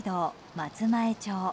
松前町。